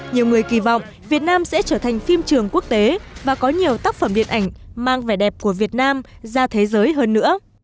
nhiều người kỳ vọng việt nam sẽ trở thành phim trường quốc tế và có nhiều tác phẩm điện ảnh mang vẻ đẹp của việt nam ra thế giới hơn nữa